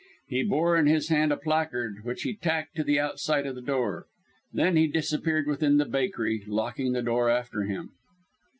He bore in his hand a placard, which he tacked to the outside of the door. Then he disappeared within the bakery, locking the door after him.